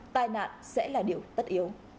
tai nạn sẽ là điều tất yếu